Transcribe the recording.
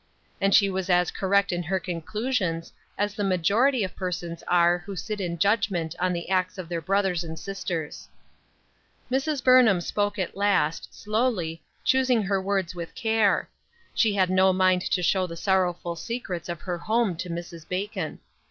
And she was as correct in her conclusions as the majority of persons are who sit in judgment on the acts of their brothers and sisters. Mrs. Burnham spoke at last, slowly, choosing her words with care ; she had no mind to show the sorrowful secrets of her home to Mrs. Bacon.